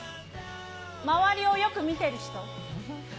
周りをよく見てる人？